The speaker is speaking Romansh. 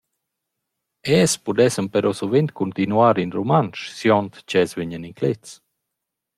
Els pudessan però suvent cuntinuar in rumantsch, siand ch’els vegnan inclets.